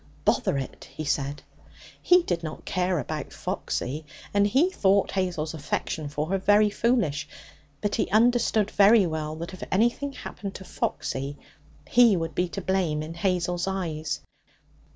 'Bother it!' he said. He did not care about Foxy, and he thought Hazel's affection for her very foolish; but he understood very well that if anything happened to Foxy, he would be to blame in Hazel's eyes.